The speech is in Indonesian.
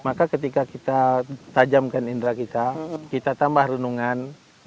maka ketika kita tajamkan indera kita kita tambah renungan